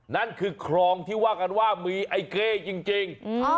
นั่นคือคลองที่ว่ากันว่ามีไอเก้จริง